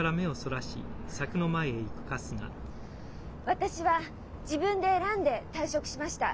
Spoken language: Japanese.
私は自分で選んで退職しました。